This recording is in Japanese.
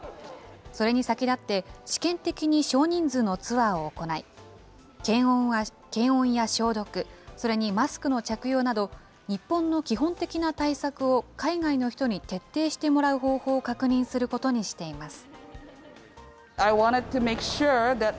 それに先立って、試験的に少人数のツアーを行い、検温や消毒、それにマスクの着用など、日本の基本的な対策を海外の人に徹底してもらう方法を確認することにしています。